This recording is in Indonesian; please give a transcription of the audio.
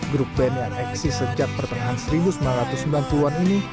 grup band yang eksis sejak pertengahan seribu sembilan ratus sembilan puluh an ini